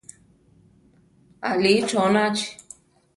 Alíi chónachi.